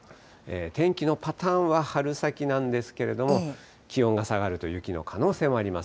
天気のパターンは春先なんですけれども、気温が下がると雪の可能性もあります。